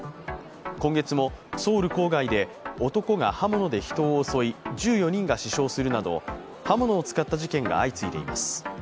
今月もソウル郊外で男が刃物で人を襲い１４人が死傷するなど、刃物を使った事件が相次いでいます。